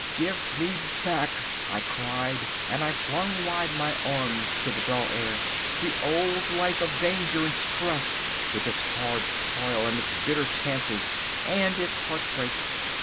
Give me back," I cried, and I flung wide my arms to the dull air, "the old life of danger and stress, with its hard toil and its bitter chances, and its heartbreaks.